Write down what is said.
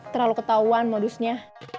terlalu ketauan modusnya